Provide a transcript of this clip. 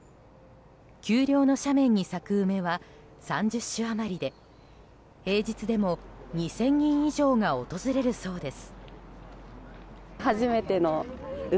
丘陵の斜面に咲く梅は３０種余りで平日でも２０００人以上が訪れるそうです。